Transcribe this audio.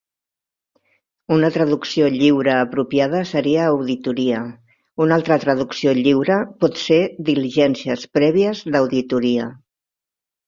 Una traducció lliure apropiada seria auditoria; una altra traducció lliure pot ser 'diligències prèvies d'auditoria'.